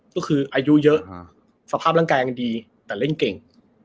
ก็คืออายุเยอะสภาพร่างกายดีแต่เล่นเก่ง